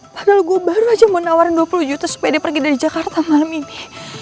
padahal gue baru aja mau nawarin dua puluh juta supaya dia pergi dari jakarta malam ini